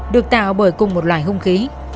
được tạo bởi cùng một loài hung khí